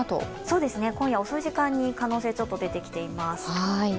今夜遅い時間に可能性がちょっと出てきています。